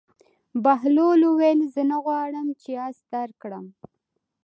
بهلول وویل: زه نه غواړم چې اس درکړم.